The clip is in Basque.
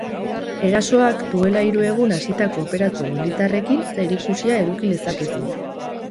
Erasoak duela hiru egun hasitako operazio militarrekin zerikusia eduki lezakete.